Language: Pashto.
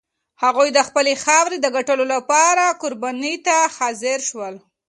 هغوی د خپلې خاورې د ګټلو لپاره قربانۍ ته حاضر شول.